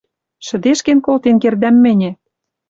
Шӹдешкен колтен кердӓм мӹньӹ!